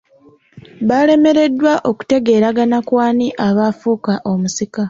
Balemereddwa okutegeeragana ku ani aba afuuka omusika?